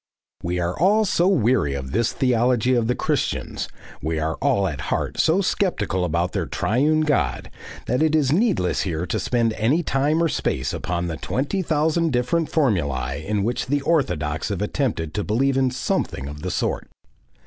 We are all so weary of this theology of the Christians, we are all at heart so sceptical about their Triune God, that it is needless here to spend any time or space upon the twenty thousand different formulae in which the orthodox have attempted to believe in something of the sort.